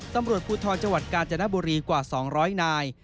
ตำรวจภูทรจังหวัดกาญจนบุรีกว่า๒๐๐นาย